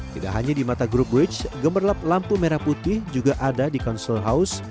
tidak hanya di mata grup bridge gemerlap lampu merah putih juga ada di council house